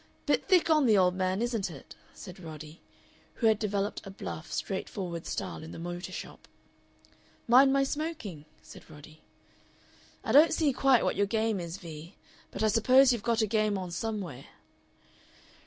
"Bit thick on the old man, isn't it?" said Roddy, who had developed a bluff, straightforward style in the motor shop. "Mind my smoking?" said Roddy. "I don't see quite what your game is, Vee, but I suppose you've got a game on somewhere.